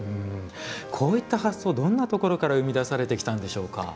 こういった発想どんなところから生み出されてきたんでしょうか？